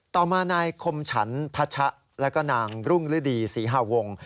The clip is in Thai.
ต่อมานายคมฉันพัชะแล้วก็นางรุ่งฤดีศรีหาวง